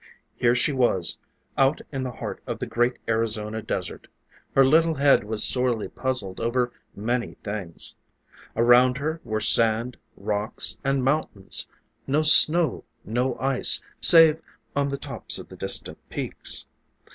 Here she was, out in the heart of the great Arizona Desert. Her little head was sorely puzzled over many things. Around her were sand, rocks and mountains; no snow, no ice, save on the tops of the distant peaks.